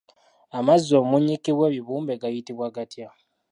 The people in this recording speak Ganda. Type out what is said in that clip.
Amazzi omunnyikibwa ekibumbe gayitibwa gatya?